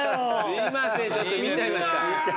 すいませんちょっと見ちゃいました。